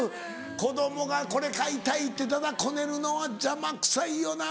子供がこれ買いたいって駄々こねるのは邪魔くさいよな。